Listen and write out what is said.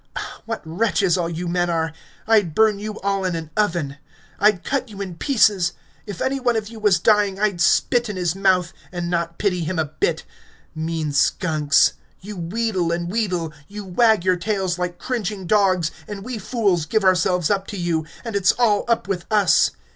"What wretches all you men are! I'd burn you all in an oven; I'd cut you in pieces. If any one of you was dying I'd spit in his mouth, and not pity him a bit. Mean skunks! You wheedle and wheedle, you wag your tails like cringing dogs, and we fools give ourselves up to you, and it's all up with us!